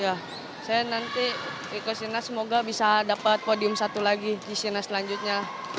ya saya nanti ikut sirnas semoga bisa dapat podium satu lagi di sirnas selanjutnya